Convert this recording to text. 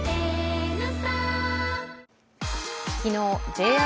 ＪＲ